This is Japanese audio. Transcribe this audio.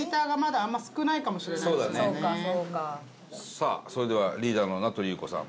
さあそれではリーダーの名取裕子さん。